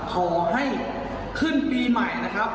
ขอให้ขึ้นปีใหม่นะครับ